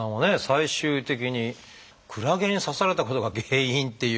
最終的にクラゲに刺されたことが原因っていう。